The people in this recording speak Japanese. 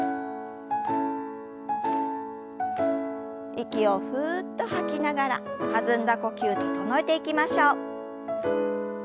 息をふっと吐きながら弾んだ呼吸整えていきましょう。